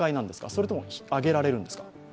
それとも上げられるんですか？